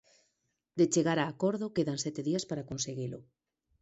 De chegar a acordo, quedan sete días para conseguilo.